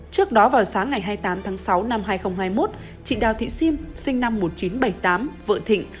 trước đó vào sáng ngày hai mươi tám tháng sáu năm hai nghìn hai mươi một chị đào thị sim sinh năm một nghìn chín trăm bảy mươi tám vợ thịnh